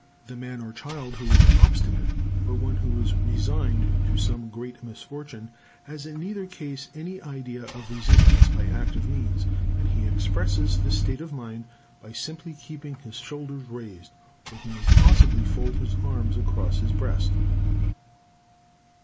The man or child who is obstinate, or one who is resigned to some great misfortune, has in neither case any idea of resistance by active means; and he expresses this state of mind, by simply keeping his shoulders raised; or he may possibly fold his arms across his breast.